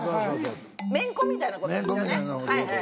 メンコみたいなことですよね。